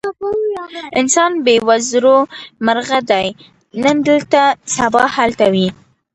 انسان بې وزرو مرغه دی، نن دلته سبا هلته وي.